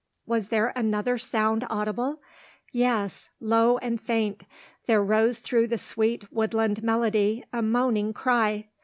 Was there another sound audible? Yes low and faint, there rose through the sweet woodland melody a moaning cry.